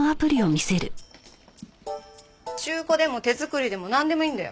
中古でも手作りでもなんでもいいんだよ。